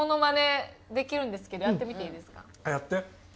やって。